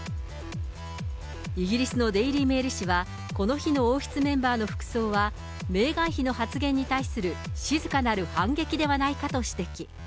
イギリスのデイリー・メール紙は、この日の王室メンバーの服装は、メーガン妃の発言に対する静かなる反撃ではないかと指摘。